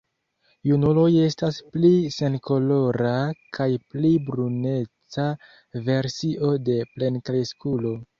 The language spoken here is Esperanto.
Junuloj estas pli senkolora kaj pli bruneca versio de plenkreskulo.